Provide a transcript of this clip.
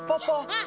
うん。